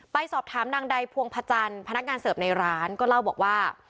ไปสอบถามนางใดพวงพจันทร์พนักงานเสิร์ฟในร้านก็เล่าบอกว่า